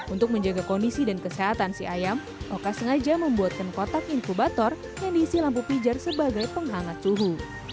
untuk menjaga kondisi dan kesehatan si ayam oka sengaja membuatkan kotak inkubator yang diisi lampu pijar sebagai penghangat suhu